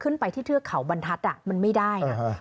ขึ้นไปที่เทือกเขาบรรทัศน์มันไม่ได้นะ